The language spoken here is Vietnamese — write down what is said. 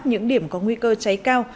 những điểm có nguy cơ cháy cao